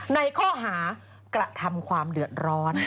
ในข้อหากระทำความเดือดร้อน